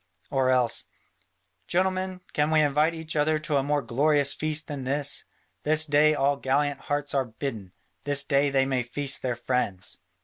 Or else, "Gentlemen, can we invite each other to a more glorious feast than this? This day all gallant hearts are bidden; this day they may feast their friends."